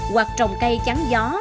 hoặc trồng cây trắng gió